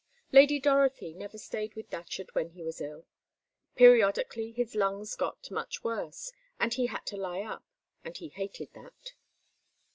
Lady Dorothy never stayed with Datcherd when he was ill. Periodically his lungs got much worse, and he had to lie up, and he hated that.